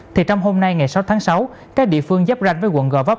thì trong hôm nay ngày sáu tháng sáu các địa phương giáp ranh với quận gò vấp